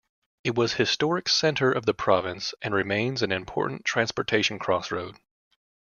It was historic center of the province and remains an important transportation crossroad.